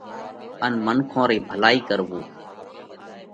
ان منکون رئِي ڀلائِي ڪروو۔